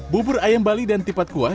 bubur ayam bali dan tipat kuah